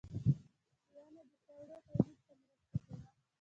• ونه د خوړو تولید ته مرسته کوي.